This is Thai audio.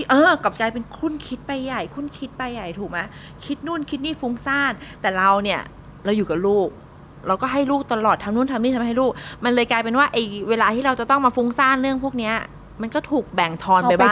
เออกลับกลายเป็นคุณคิดไปใหญ่คุณคิดไปใหญ่ถูกไหมคิดนู่นคิดนี่ฟุ้งซ่านแต่เราเนี่ยเราอยู่กับลูกเราก็ให้ลูกตลอดทำนู่นทำนี่ทำให้ลูกมันเลยกลายเป็นว่าไอ้เวลาที่เราจะต้องมาฟุ้งซ่านเรื่องพวกนี้มันก็ถูกแบ่งทอนไปบ้าง